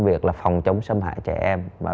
việc là phòng chống xâm hại trẻ em và